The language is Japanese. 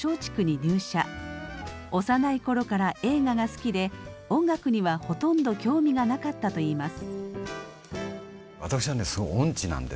幼い頃から映画が好きで音楽にはほとんど興味がなかったといいます。